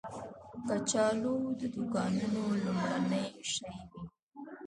کچالو د دوکانونو لومړنی شی وي